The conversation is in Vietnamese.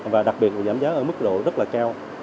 và đặc biệt giảm giá ở mức độ rất là cao